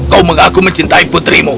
kau mengaku mencintai putrimu